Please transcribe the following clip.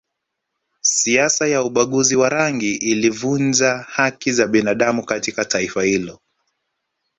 Siasa ya ubaguzi wa rangi ilivunja haki za binadamu katika taifa hilo